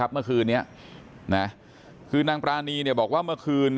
เมื่อคืนนี้คือนางปรานีบอกว่าเมื่อคืน